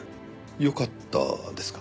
よかったですか？